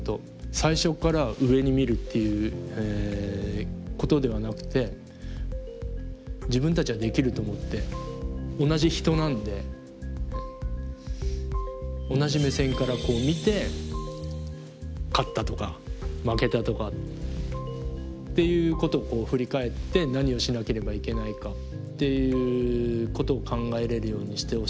最初から上に見るっていうことではなくて自分たちはできると思って同じ人なんで同じ目線から見て勝ったとか負けたとかっていうことを振り返って何をしなければいけないかっていうことを考えれるようにしてほしいなと思います。